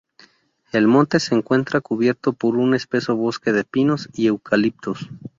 El monte se encuentra cubierto por un espeso bosque de pinos y eucaliptos.